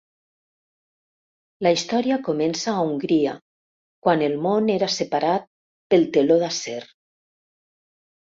La història comença a Hongria, quan el món era separat pel teló d'acer.